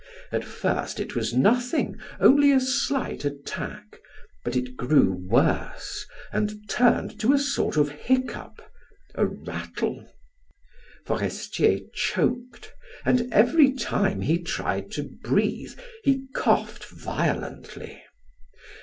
At first it was nothing, only a slight attack, but it grew worse and turned to a sort of hiccough a rattle; Forestier choked, and every time he tried to breathe he coughed violently.